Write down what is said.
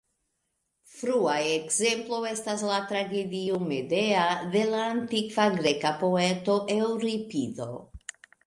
Frua ekzemplo estas la tragedio "Medea" de la antikva greka poeto Eŭripido.